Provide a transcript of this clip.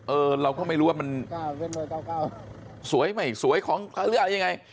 เราก็ไม่รู้ว่ามันสวยไม่สวยของหรืออะไรยังไง